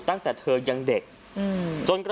ตั้งแต่เธอยังเด็ก